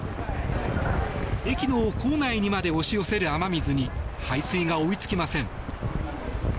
駅の構内にまで押し寄せる雨水に排水が追いつきません。